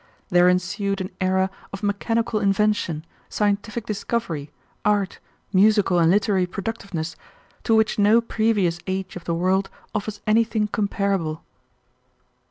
There ensued an era of mechanical invention, scientific discovery, art, musical and literary productiveness to which no previous age of the world offers anything comparable."